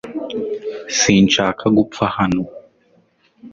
Sinshaka gupfa hano .